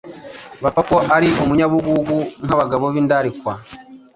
bapfa ko ari umunyabugugu nk’abagabo b’indarikwa,